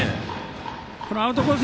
アウトコース